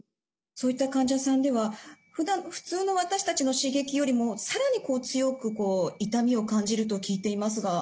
そういった患者さんでは普通の私たちの刺激よりも更にこう強く痛みを感じると聞いていますが。